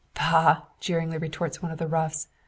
"Bah!" jeeringly retorts one of the roughs.